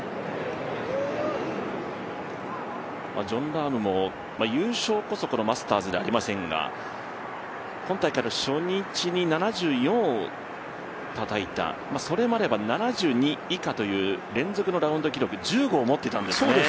ジョン・ラームも優勝こそ、マスターズでありませんが、今大会の初日に７４をたたいた、それまでは７２以下という連続のラウンド記録、１５を持っていたんですよね。